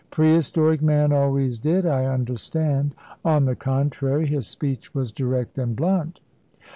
"Prehistoric man always did, I understand." "On the contrary, his speech was direct and blunt!"